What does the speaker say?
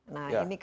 nah ini kan memang